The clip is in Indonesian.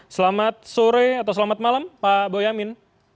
selamat sore atau selamat malam pak boyamin